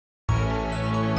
kita mau ke tempat besok tempat jam